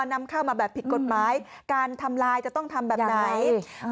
นำเข้ามาแบบผิดกฎหมายการทำลายจะต้องทำแบบไหน